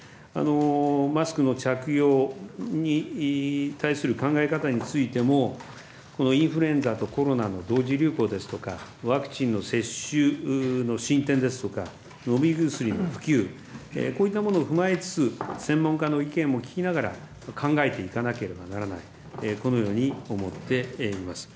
マスクの着用に対する考え方についても、インフルエンザとコロナの同時流行ですとか、ワクチンの接種の進展ですとか、飲み薬の普及、こういったものを踏まえつつ、専門家の意見も聞きながら、考えていかなければならない、このように思っています。